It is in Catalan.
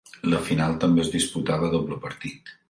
La final també es disputava a doble partit.